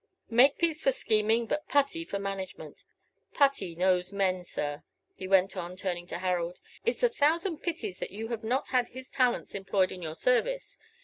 "Makepiece for scheming, but Putty for management. Putty knows men, sir," he went on, turning to Harold: "it's a thousand pities that you have not had his talents employed in your service.